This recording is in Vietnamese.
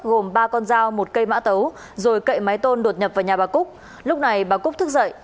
gồm ba con dao một cây mã tấu rồi cậy máy tôn đột nhập vào nhà bà cúc lúc này bà cúc dậy